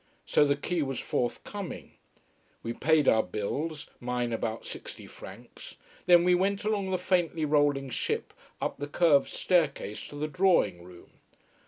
So the key was forthcoming. We paid our bills mine about sixty francs. Then we went along the faintly rolling ship, up the curved staircase to the drawing room.